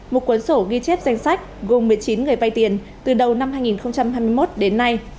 một cuốn sổ ghi chép danh sách gồm một mươi chín người vay tiền từ đầu năm hai nghìn hai mươi một đến nay